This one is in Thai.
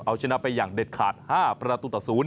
เอาชนะไปอย่างเด็ดขาด๕ประตูต่อ๐